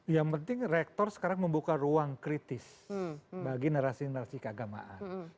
yang penting rektor sekarang membuka ruang kritis bagi narasi narasi keagamaan